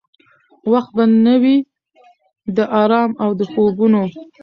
وخت به نه وي د آرام او د خوبونو؟